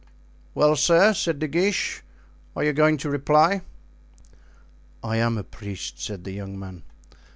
"Well, sir," said De Guiche, "are you going to reply?" "I am a priest," said the young man.